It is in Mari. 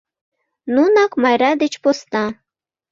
Нунак, Майра деч посна.